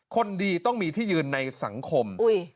คนดีต้องมีที่ยืนในสังคม